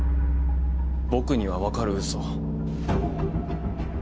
僕には分かる嘘。